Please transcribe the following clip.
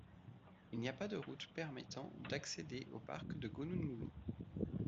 Il n'y a pas de route permettant d'accéder au parc de Gunung Mulu.